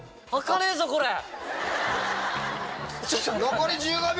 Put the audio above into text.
残り１５秒！